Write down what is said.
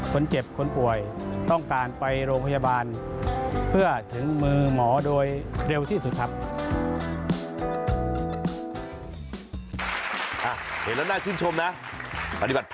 คนเจ็บคนป่วยต้องการไปโรงพยาบาลเพื่อถึงมือหมอโดยเร็วที่สุดครับ